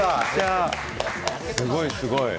すごいすごい！